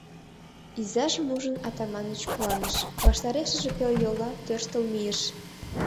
Изажым ужын, Атаманыч куаныш, ваштарешыже пел йола тӧрштыл мийыш.